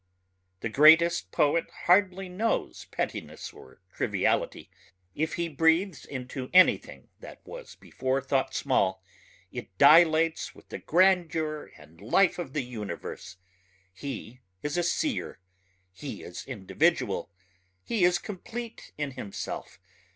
The greatest poet hardly knows pettiness or triviality. If he breathes into anything that was before thought small it dilates with the grandeur and life of the universe. He is a seer ... he is individual ... he is complete in himself